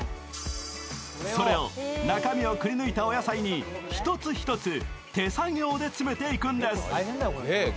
それを中身をくり抜いたお野菜に一つ一つ手作業で詰めていくんです。